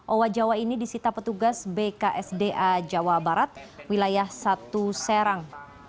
owa jawa ini disita petugas bksda jawa barat wilayah satu serang